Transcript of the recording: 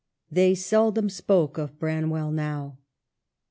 They seldom spoke of Branwell now.